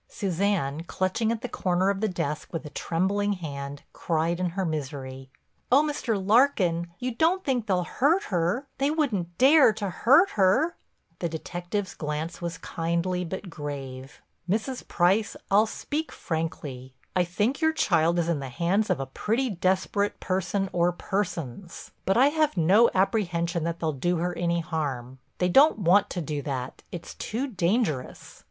Suzanne, clutching at the corner of the desk with a trembling hand, cried in her misery: "Oh, Mr. Larkin, you don't think they'll hurt her. They wouldn't dare to hurt her?" The detective's glance was kindly but grave: "Mrs. Price, I'll speak frankly. I think your child is in the hands of a pretty desperate person or persons. But I have no apprehension that they'll do her any harm. They don't want to do that—it's too dangerous.